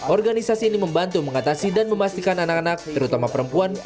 organisasi ini membantu mengatasi dan memastikan anak anak terutama perempuan